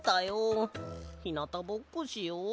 ひなたぼっこしよう。